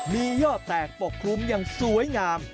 มียอดแตกปกครุมอย่างสวยงาม